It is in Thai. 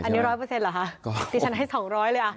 อันนี้ร้อยเปอร์เซ็นต์เหรอครับสิฉันให้สองร้อยเลย